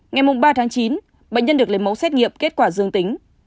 ngày ba chín bệnh nhân được lấy mẫu xét nghiệm kết quả dương tính